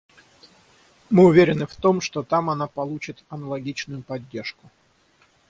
Мы уверены в том, что там она получит аналогичную поддержку.